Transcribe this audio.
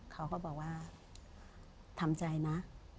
เขาก็บอกว่าทำใจนะ